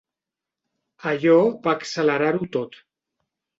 Allò va accelerar-ho tot.